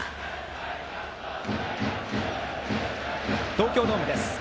東京ドームです。